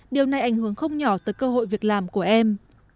điều này ảnh hưởng không nhỏ tới cơ hội việc làm của em